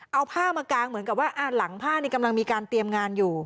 เอาผ้ามากางเหมือนกับว่าหลังผ้านี่กำลังมีการเตรียมงานอยู่